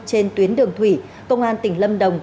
trên tuyến đường thủy công an tỉnh lâm đồng